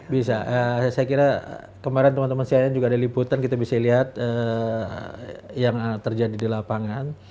bisa saya kira kemarin teman teman cnn juga ada liputan kita bisa lihat yang terjadi di lapangan